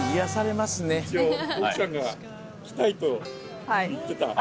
奥さんが来たいと言ってた。